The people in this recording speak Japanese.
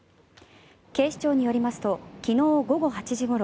警視庁によりますと昨日午後８時ごろ